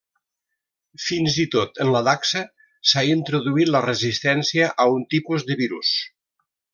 Fins i tot en la dacsa s'ha introduït la resistència a un tipus de virus.